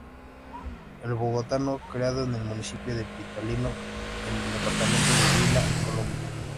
El bogotano, criado en el Municipio de Pitalito en el departamento del Huila, Colombia.